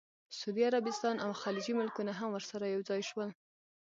سعودي عربستان او خلیجي ملکونه هم ورسره یوځای شول.